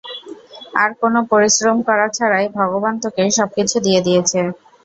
আর কোন পরিশ্রম করা ছাড়াই ভগবান তোকে সবকিছু দিয়ে দিয়েছে।